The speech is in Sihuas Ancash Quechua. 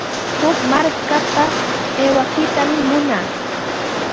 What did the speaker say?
Huk markapa aywakuytami munaa.